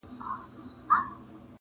o کډه ستا له کلي بارومه نور ,